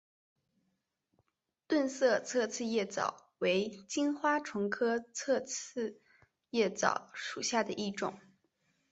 钝色侧刺叶蚤为金花虫科侧刺叶蚤属下的一个种。